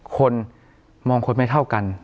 คนมองคนไม่เท่ากัน